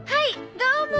どうも。